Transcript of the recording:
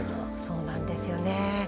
そうなんですよね。